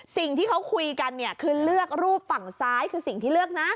สิ่งที่เขาคุยกันเนี่ยคือเลือกรูปฝั่งซ้ายคือสิ่งที่เลือกนะ